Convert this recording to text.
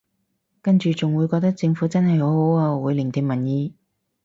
跟住仲會覺得政府真係好好啊會聆聽民意